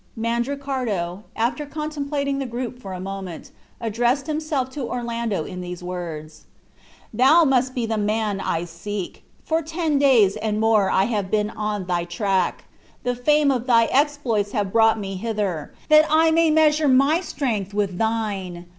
Mandricardo, after contemplating the group for a moment, addressed himself to Orlando in these words: "Thou must be the man I seek. For ten days and more I have been on thy track. The fame of thy exploits has brought me hither, that I may measure my strength with thine.